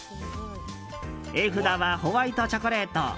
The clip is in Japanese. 絵札はホワイトチョコレート。